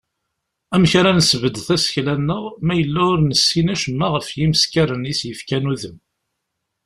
Amek ara nesbedd tasekla-nneɣ ma yella ur nessin acemma ɣef yimeskaren i as-yefkan udem?